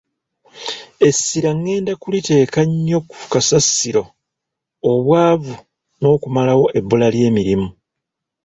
Essira ngenda kuliteeka nnyo ku kasasiro, obwavu n’okumalawo ebbula ly’emirimu.